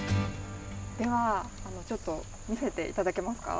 では、ちょっと見せていただけますか。